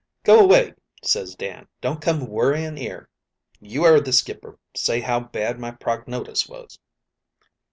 "Go away,' says Dan, 'don't come worrying 'ere; you 'eard the skipper say how bad my prognotice was.'